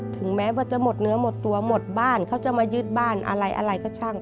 ถึงแม้ว่าจะหมดเนื้อหมดตัวหมดบ้านเขาจะมายึดบ้านอะไรอะไรก็ช่าง